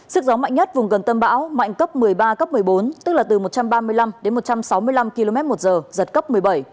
sức gió mạnh nhất vùng gần tâm bão mạnh cấp một mươi ba cấp một mươi bốn tức là từ một trăm ba mươi năm đến một trăm sáu mươi năm km một giờ giật cấp một mươi bảy